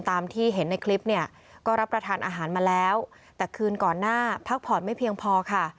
ตามที่เห็นในคลิปเนี่ยก็รับประทานอาหารมาแล้วแต่คืนก่อนหน้าพักผ่อนไม่เพียงพอค่ะ